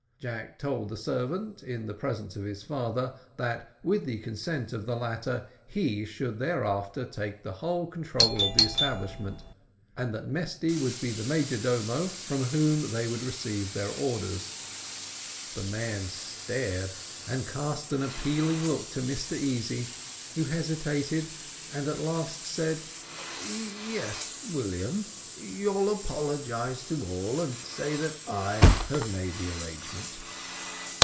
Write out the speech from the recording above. Jack told the servant, in the presence of his father, that, with the consent of the latter, he should hereafter take the whole control of the establishment, and that Mesty would be the major domo from whom they would receive their orders. The man stared, and cast an appealing look to Mr Easy, who hesitated, and at last said: "Yes, William; you'll apologise to all, and say that I have made the arrangement."